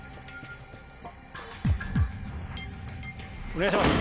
お願いします！